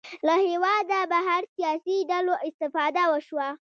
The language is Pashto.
له هېواده بهر سیاسي ډلو استفاده وشوه